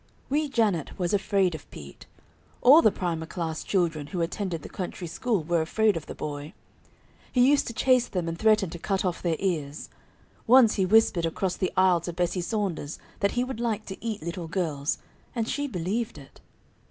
Wee Janet was afraid of Pete. All the Primer Class children who attended the country school were afraid of the boy. He used to chase them and threaten to cut off their ears; once he whispered across the aisle to Bessie Saunders that he would like to eat little girls, and she believed it.